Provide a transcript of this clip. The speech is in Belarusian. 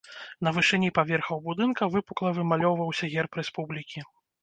На вышыні паверхаў будынка выпукла вымалёўваўся герб рэспублікі.